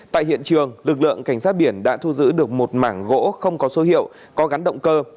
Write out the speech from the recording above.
tại hiện trường lực lượng cảnh sát biển đã thu giữ được một mảng gỗ không có số hiệu có gắn động cơ